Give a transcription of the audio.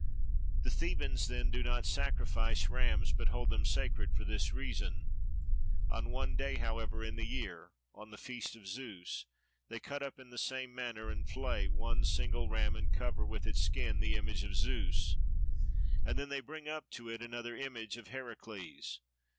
The Thebans then do not sacrifice rams but hold them sacred for this reason; on one day however in the year, on the feast of Zeus, they cut up in the same manner and flay one single ram and cover with its skin the image of Zeus, and then they bring up to it another image of Heracles.